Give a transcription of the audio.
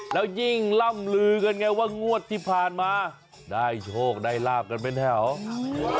แล้วยิ่งล่ำลือกันไงว่างวดที่ผ่านมาได้โชคได้ลาบกันเป็นแถว